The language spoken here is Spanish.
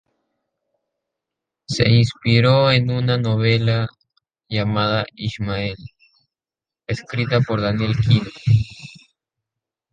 Se inspiró en una novela llamada "Ishmael", escrita por Daniel Quinn.